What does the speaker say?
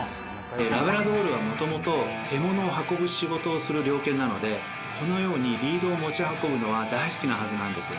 ラブラドールはもともと獲物を運ぶ仕事をする猟犬なのでこのようにリードを持ち運ぶのは大好きなはずなんです。